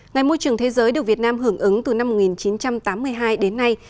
ngày môi trường thế giới được việt nam hưởng ứng từ năm một nghìn chín trăm tám mươi hai đến nay